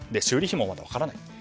修理費も分からない。